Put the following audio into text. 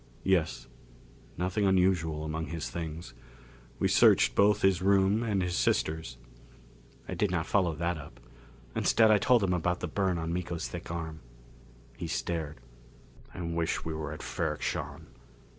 "Yes. Nothing unusual among his things. We searched both his room and his sister's." I did not follow that up. Instead I told him about the burn on Miko's thick arm. He stared. "I wish we were at Ferrok Shahn.